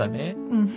うん。